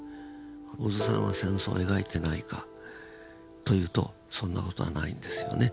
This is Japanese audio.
小津さんは戦争を描いてないかというとそんな事はないんですよね。